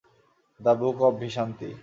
The book of ভিশান্তি!